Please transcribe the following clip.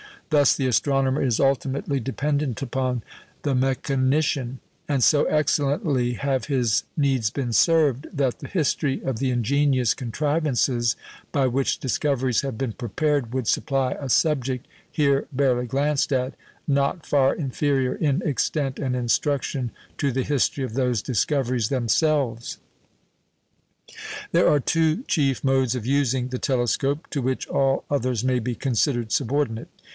Thus the astronomer is ultimately dependent upon the mechanician; and so excellently have his needs been served, that the history of the ingenious contrivances by which discoveries have been prepared would supply a subject (here barely glanced at) not far inferior in extent and instruction to the history of those discoveries themselves. There are two chief modes of using the telescope, to which all others may be considered subordinate.